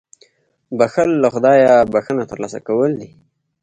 • بښل له خدایه بښنه ترلاسه کول دي.